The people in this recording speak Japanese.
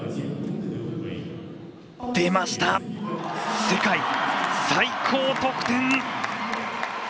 出ました、世界最高得点！